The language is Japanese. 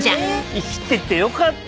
生きててよかった！